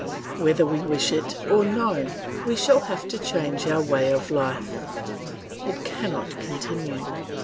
Whether we wish it or no, we shall have to change our way of life; it cannot continue.